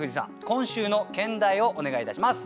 今週の兼題をお願いいたします。